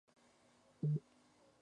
Holton et al.